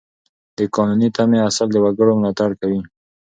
د قانوني تمې اصل د وګړو ملاتړ کوي.